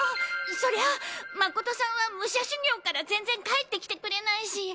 そりゃあ真さんは武者修行から全然帰って来てくれないし。